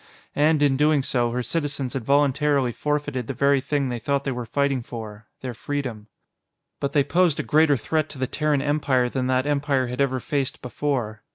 And, in doing so, her citizens had voluntarily forfeited the very thing they thought they were fighting for their freedom. But they posed a greater threat to the Terran Empire than that Empire had ever faced before.